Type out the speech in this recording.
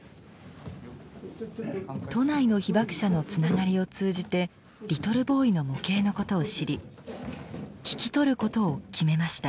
都内の被爆者のつながりを通じてリトルボーイの模型のことを知り引き取ることを決めました。